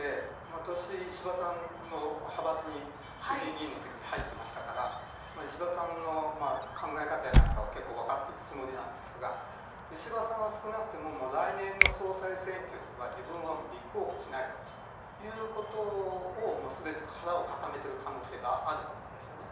私、石破さんの派閥に衆議院議員の時に入っていましたから石破さんの考え方やなんかは結構分かってるつもりなんですが石破さんは少なくとも来年の総裁選挙には自分は立候補しないということをすでに固めている可能性があると思うんです。